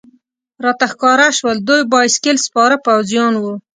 راته ښکاره شول، دوی بایسکل سپاره پوځیان و.